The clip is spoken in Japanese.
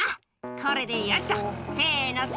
これでよしと。